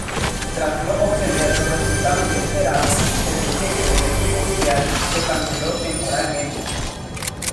Tras no obtener los resultados esperados el proyecto del equipo filial se canceló temporalmente.